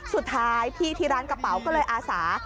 สุดท้ายพี่ที่ร้านกระเป๋าก็เลยอาสา